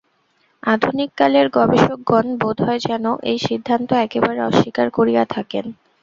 আধুনিককালের গবেষকগণ বোধ হয় যেন এই সিদ্ধান্ত একেবারে অস্বীকার করিয়া থাকেন।